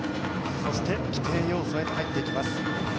そして規定要素へと入っていきます。